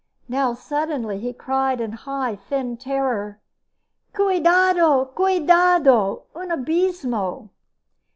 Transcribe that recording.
Now suddenly he cried in a high thin tenor: "_Cuidado! Cuidado! Un abismo!